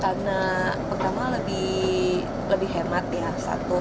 karena pertama lebih hemat ya satu